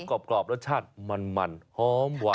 กรอบรสชาติมันหอมหวาน